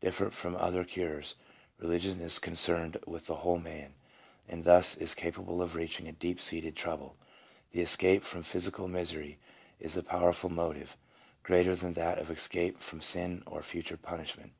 Different from other cures, religion is concerned with the whole man, and thus is capable of reaching a deep seated trouble. The escape from physical misery is a powerful motive, greater than that of escape from sin or future punishment.